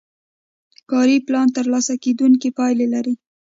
کاري پلان ترلاسه کیدونکې پایلې لري.